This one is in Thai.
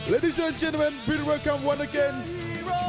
ท่านผู้ชมครับพรีดรับความวันอีกครับ